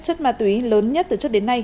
chất ma túy lớn nhất từ trước đến nay